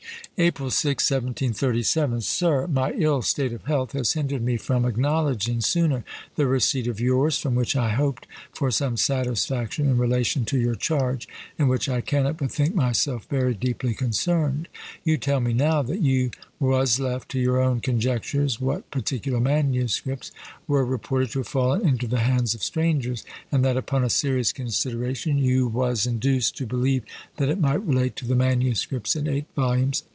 SIR, April 6, 1737. My ill state of health has hindered me from acknowledging sooner the receipt of yours, from which I hoped for some satisfaction in relation to your charge, in which I cannot but think myself very deeply concerned. You tell me now, that you was left to your own conjectures what particular MSS. were reported to have fallen into the hands of strangers, and that upon a serious consideration you was induced to believe that it might relate to the MSS. in eight vols.